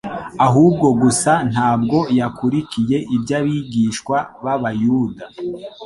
ahubwo gusa ntabwo yakurikiye iby'abigishwa b'Abayuda.